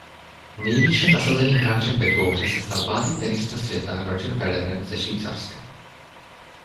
Nejvýše nasazeným hráčem ve dvouhře se stal pátý tenista světa Roger Federer ze Švýcarska.